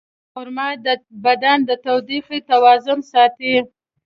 خرما د بدن د تودوخې توازن ساتي.